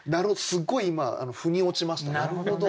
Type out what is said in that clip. すごい今ふに落ちましたね。